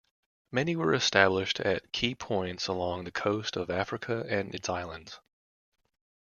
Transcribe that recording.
Many were established at key points along the coast of Africa and its islands.